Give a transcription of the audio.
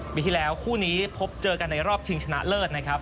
ปีที่แล้วคู่นี้พบเจอกันในรอบชิงชนะเลิศนะครับ